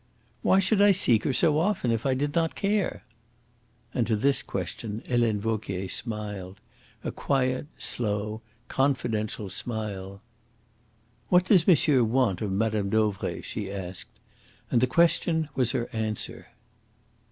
"Why should I seek her so often if I did not care?" And to this question Helene Vauquier smiled a quiet, slow, confidential smile. "What does monsieur want of Mme. Dauvray?" she asked. And the question was her answer.